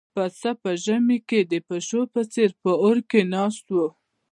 پسه په ژمي کې د پيشو په څېر په اور کې ناست و.